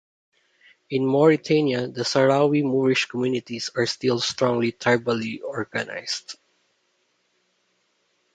In Mauritania, the Sahrawi-Moorish communities are still strongly tribally organized.